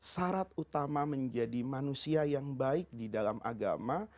syarat utama menjadi manusia yang baik di dalam agama